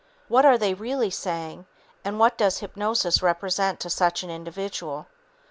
What are they really saying, and what does hypnosis represent to such an individual?